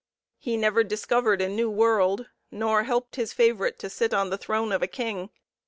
He never discovered a new world, nor helped his favorite to sit on the throne of a king.